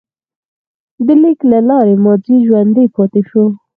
د لیک له لارې ماضي ژوندی پاتې شو.